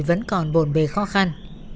vẫn còn bồn bề khó khăn